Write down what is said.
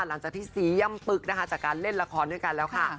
หลังจากที่สีย่ำปึกนะคะจากการเล่นละครด้วยกันแล้วค่ะ